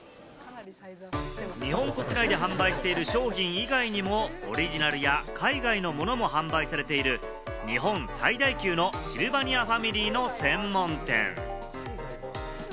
日本国内で販売している商品以外にもオリジナルや海外のものも販売されている、日本最大級のシルバニアファミリーの専門店。